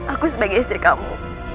aku sebagai istri kamu